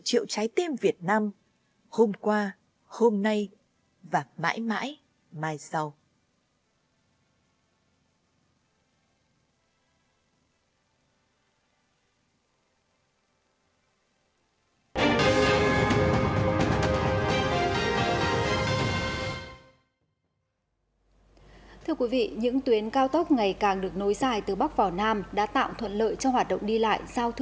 triệu trái tim việt nam hôm qua hôm nay và mãi mãi mai sau